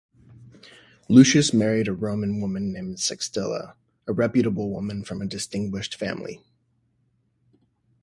Lucius married a Roman woman named Sextilia, a reputable woman from a distinguished family.